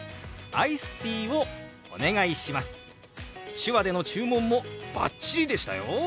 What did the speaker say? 手話での注文もバッチリでしたよ！